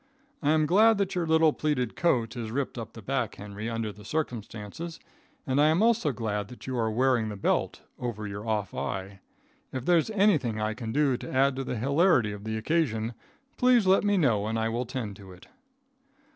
I am glad that your little pleated coat is ripped up the back, Henry, under the circumstances, and I am also glad that you are wearing the belt over your off eye. If there's anything I can do to add to the hilarity of the occasion, please let me know and I will tend to it.